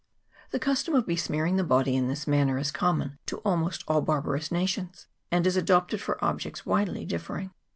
The custom of be smearing the body in this manner is common to al most all barbarous nations, and is adopted for objects widely differing.